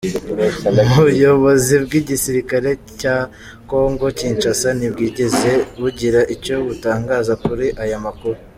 Ubuyobozi bw’igisirikare cya Congo Kinshasa, ntibwigeze bugira icyo butangaza kuri aya makuru.